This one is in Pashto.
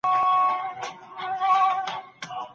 نوي تجربې مو د ژوند باور پیاوړی کوي.